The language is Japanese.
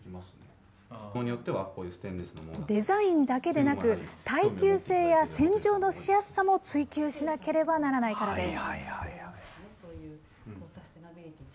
デザインだけでなく、耐久性や洗浄のしやすさも追求しなければならないからです。